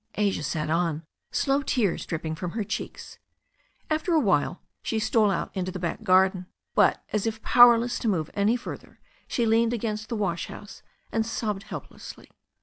Asia sat on, slow tears dripping from her cheeks. After a while she stole out into the back garden, but as if power^ less to move any further she leaned against the wash house and sobbed helplessly.